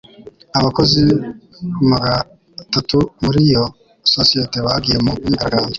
Abakozi magatatu muri iyo sosiyete bagiye mu myigaragambyo.